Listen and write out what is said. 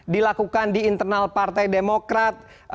dilakukan di internal partai demokrat